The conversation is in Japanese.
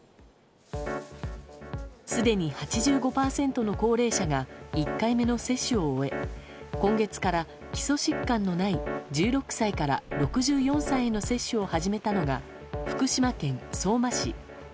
すでに８５％の高齢者が１回目の接種を終え今月から基礎疾患のない１６歳から６４歳への接種を始めたのが福島県相馬市。